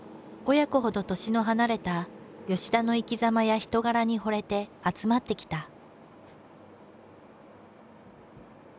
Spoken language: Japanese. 親子ほど年の離れた田の生きざまや人柄にほれて集まってきた。